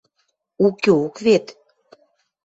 Укеок вет.